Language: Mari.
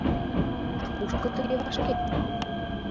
— А кушко тыге вашкет?